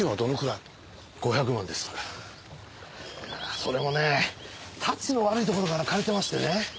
それもねたちの悪いところから借りてましてね